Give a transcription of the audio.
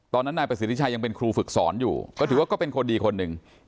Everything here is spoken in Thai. ตอนนั้นนายประศิษธิชัยยังเป็นครูฝึกศรอยู่ก็ถือก็เป็นคนดีคนหนึ่ง